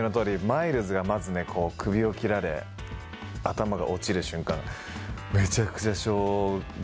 マイルズがまず首を切られ頭が落ちる瞬間。